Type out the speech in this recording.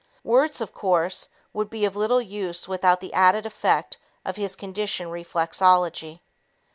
Words, of course, would be of little use without the added effect of his conditioned reflexology.